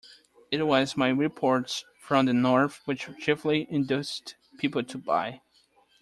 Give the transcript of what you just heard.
It was my reports from the north which chiefly induced people to buy.